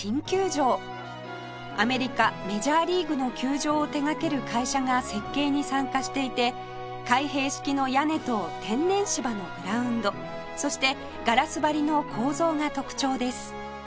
アメリカメジャーリーグの球場を手掛ける会社が設計に参加していて開閉式の屋根と天然芝のグラウンドそしてガラス張りの構造が特徴です